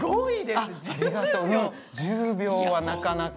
１０秒はなかなか。